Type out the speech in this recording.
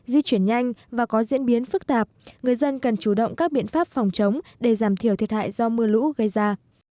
di chuyển nhanh và có diễn biến phức tạp người dân cần chủ động các biện pháp phòng chống để giảm thiểu thiệt hại do mưa lũ gây ra